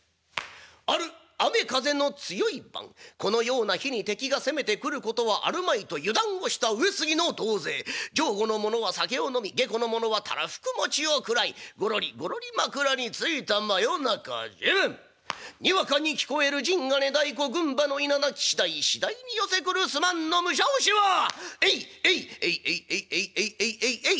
ある雨風の強い晩このような日に敵が攻めてくることはあるまいと油断をした上杉の同勢上戸の者は酒を飲み下戸の者はたらふく餅を食らいごろりごろり枕に就いた真夜中にわかに聞こえる陣鐘太鼓軍馬のいななき次第次第に寄せ来る数万の武者押しはエイエイエイエイエイエイエイエイエイエイ！